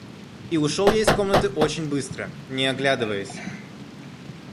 И ушел я из комнаты очень быстро, не оглядываясь.